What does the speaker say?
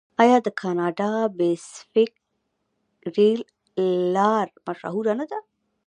آیا د کاناډا پیسفیک ریل لار مشهوره نه ده؟